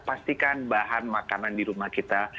pastikan bahan makanan di rumah kita